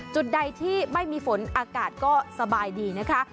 จุดใดที่ไม่มีฝนอากาศก็สบายดีนะคะ